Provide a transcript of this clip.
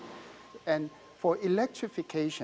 dan untuk elektrifikasi